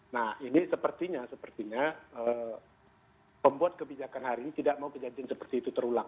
nah ini sepertinya sepertinya pembuat kebijakan hari ini tidak mau kejadian seperti itu terulang